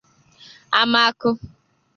Amaku